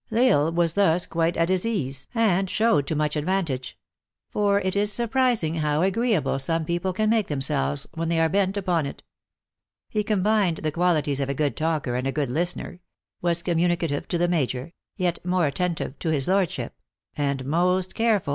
L Isle was thus quite at his ease, and showed to much advantage; for it is surprising how agreeable some people can make themselves when they are bent upon it. He combined the qualities of a good talker and a good listener ; was communicative to the major ; yet more attentive to his lordship; and most careful, 78 THE ACTRESS IN HIGH LIFE.